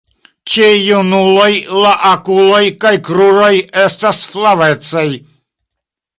Ĉe junuloj la okuloj kaj kruroj estas flavecaj.